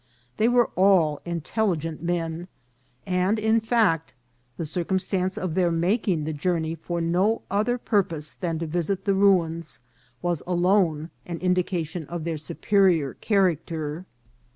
They were all intelligent men, and, in fact, the circumstance of their making the journey for no other purpose than to visit the ruins was alone an indication of their superior character.